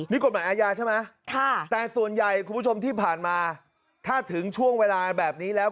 นี่กฎหมายอาญาใช่ไหมแต่ส่วนใหญ่คุณผู้ชมที่ผ่านมาถ้าถึงช่วงเวลาแบบนี้แล้ว